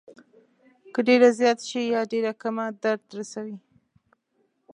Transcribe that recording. که ډېره زیاته شي یا ډېره کمه درد رسوي.